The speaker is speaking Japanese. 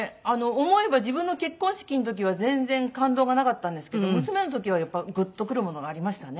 思えば自分の結婚式の時は全然感動がなかったんですけど娘の時はやっぱりグッとくるものがありましたね。